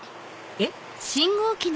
えっ？